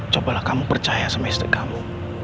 cobalah kamu percaya semesta kamu